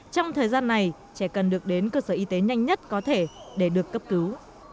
trong thời gian này trẻ cần được đến cơ sở y tế nhanh nhất có thể để được cấp cứu